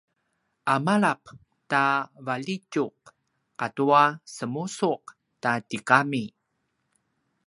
a malap ta valjitjuq ata semusuq ta tigami